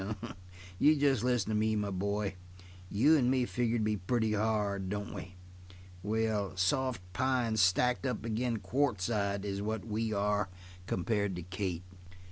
You just listen to me, my boy. You and me figure to be pretty hard, don't we? Well, soft pine stacked up agin' quartzite, is what we are compared to Kate."